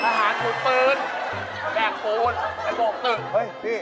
ทหารถือปืนแบกปูนไปบวกตึก